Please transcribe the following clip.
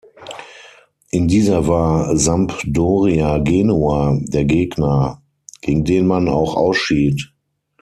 In dieser war Sampdoria Genua der Gegner, gegen den man auch ausschied.